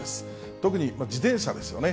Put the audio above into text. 特に自転車ですよね。